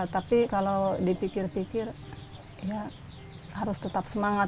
tapi kalau dipikir pikir ya harus tetap semangat